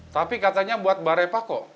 tapi katanya buat mbak repa kok